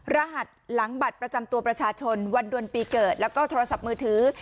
รหัสหลังบัตรประจำตัวประชาชนวันดวนปีเกิดแล้วก็โทรศัพท์มือถือ